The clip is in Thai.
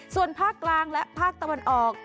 ส่วนภาคกลางและภาคตะวันออก